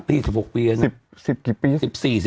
นี่๑๕ปี๑๖ปีอ่ะเนี่ย